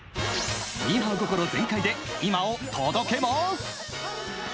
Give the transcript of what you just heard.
ミーハー心全開で今を届けます！